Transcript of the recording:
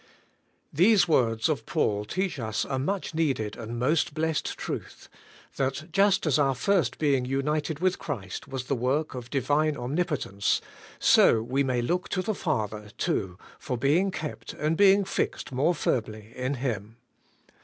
THESE words of Paul teach us a much needed and most blessed truth, — that just as our first being united with Christ was the work of Divine omnipo tence, so we may look to the Father, too, for being kept and being fixed more firmly in Him.